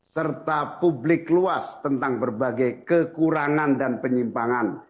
serta publik luas tentang berbagai kekurangan dan penyimpangan